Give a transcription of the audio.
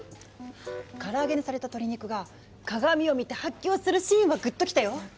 から揚げにされた鶏肉が鏡を見て発狂するシーンはグッときたよ。